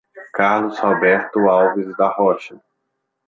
Carlos Roberto Alves da Rocha